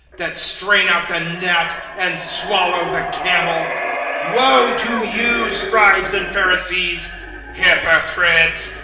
that strain out the gnat, and swallow the camel. (25)Woe to you, scribes and Pharisees, hypocrites!